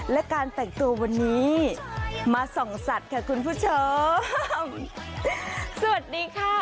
และการแต่งตัววันนี้มาส่องสัตว์ค่ะคุณผู้ชมสวัสดีค่ะ